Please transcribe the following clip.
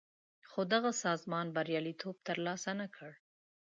خو دغه سازمان بریالیتوب تر لاسه نه کړ.